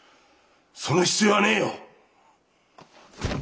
その必要はねえよ！